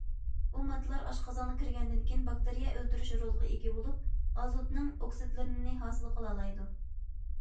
بۇ ماددىلار ئاشقازانغا كىرگەندىن كېيىن باكتېرىيە ئۆلتۈرۈش رولىغا ئىگە بولۇپ، ئازوتنىڭ ئوكسىدلىرىنى ھاسىل قىلالايدۇ.